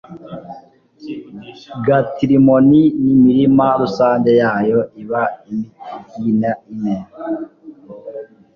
gatirimoni n'imirima rusange yayo: iba imigi ine